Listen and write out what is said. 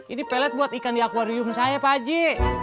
ini pelet buat ikan di akuarium saya pak ji